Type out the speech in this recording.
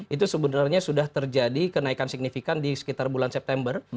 itu sebenarnya sudah terjadi kenaikan signifikan di sekitar bulan september